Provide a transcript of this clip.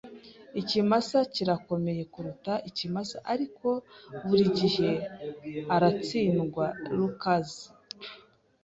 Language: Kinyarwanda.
Ikimasa kirakomeye kuruta ikimasa, ariko burigihe aratsindwa. (lukaszpp)